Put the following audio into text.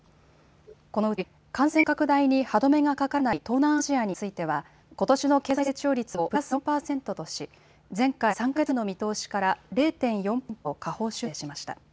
このうち感染拡大に歯止めがかからない東南アジアについてはことしの経済成長率をプラス４％とし前回３か月前の見通しから０．４ポイント下方修正しました。